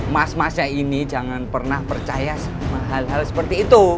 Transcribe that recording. mas masnya ini jangan pernah percaya hal hal seperti itu